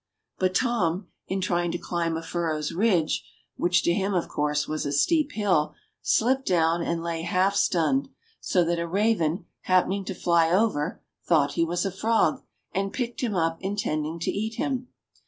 But Tom, in trying to climb a furrow's ridge — which, to him, of course, was a steep hill — slipped down and lay half stunned, so that a raven, happening to fly over, thought he was a frog, and picked him up intending to eat him.